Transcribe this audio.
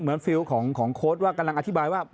ฟิลล์ของโค้ดว่ากำลังอธิบายว่า